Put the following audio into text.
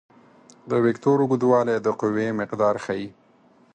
د وکتور اوږدوالی د قوې مقدار ښيي.